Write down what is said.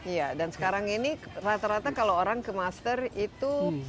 iya dan sekarang ini rata rata kalau orang ke master itu